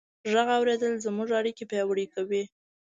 غږ اورېدل زموږ اړیکې پیاوړې کوي.